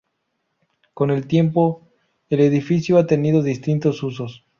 Con el tiempo, el edificio ha tenido distintos usos.